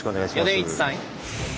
米満さん。